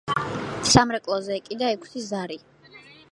სამრეკლოზე ეკიდა ექვსი ზარი.